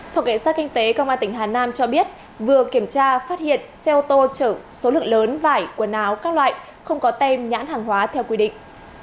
phòng cảnh sát kinh tế công an tỉnh hà nam cho biết vừa kiểm tra phát hiện xe ô tô chở số lượng lớn vải quần áo các loại không có tem nhãn hàng hóa theo quy định